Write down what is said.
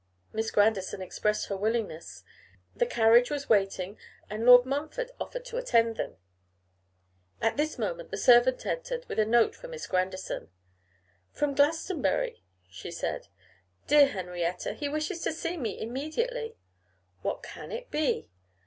Miss Grandison expressed her willingness: the carriage was waiting, and Lord Montfort offered to attend them. At this moment the servant entered with a note for Miss Grandison. 'From Glastonbury,' she said; 'dear Henrietta, he wishes to see me immediately. What can it be?